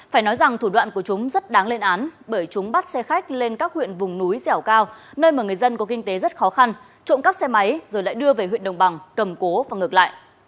phải nói rằng thủ đoạn của chúng rất đáng lên án bởi chúng bắt xe khách lên các huyện vùng núi dẻo cao nơi mà người dân có kinh tế rất khó khăn trộm cắp xe máy rồi lại đưa về huyện đồng bằng cầm cố và ngược lại